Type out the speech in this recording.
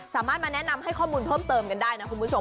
สามารถมาแนะนำให้ข้อมูลเพิ่มเติมกันได้นะคุณผู้ชม